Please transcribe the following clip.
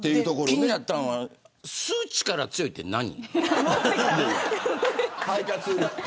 気になったのは吸う力が強いって何。